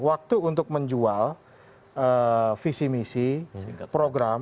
waktu untuk menjual visi misi program